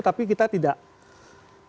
tapi kita tidak bisa